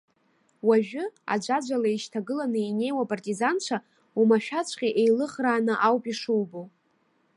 Уажәы, аӡәаӡәала еишьҭагыланы инеиуа апартизанцәа, омашәаҵәҟьа еилыӷрааны ауп ишубо.